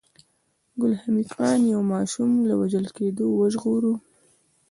ګل حمید خان يو ماشوم له وژل کېدو وژغوره